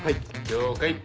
了解。